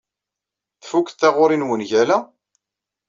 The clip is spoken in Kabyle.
Tfukeḍ taɣuri n wungal-a?